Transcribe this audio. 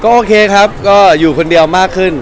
โอเคครับก็อยู่คนเดียวมากขึ้น